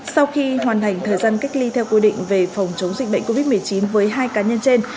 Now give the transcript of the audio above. sau khi hoàn thành thời gian cách ly theo quy định về phòng chống dịch bệnh covid một mươi chín với hai cá nhân trên